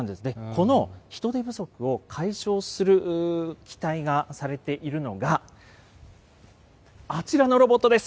この人手不足を解消する期待がされているのが、あちらのロボットです。